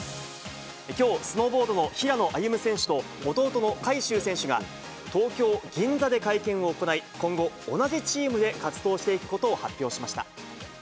きょう、スノーボードの平野歩夢選手と、弟の海祝選手が、東京・銀座で会見を行い、今後、同じチームで活動していくことを発表しました。